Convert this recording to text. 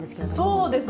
そうですね。